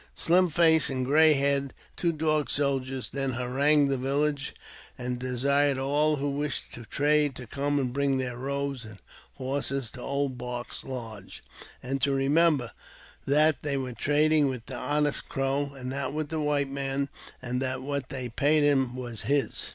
Slim Face and Gray Head, two Dog Soldiers, then harangued the village, and desired all who wished to trade to come and bring their robes and horses to Old Bark's lodge, and to re member that they were trading with the honest Crow, and not with white men, and that what they paid him was his.